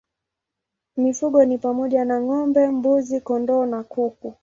Mifugo ni pamoja na ng'ombe, mbuzi, kondoo na kuku.